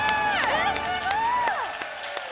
えっすごい！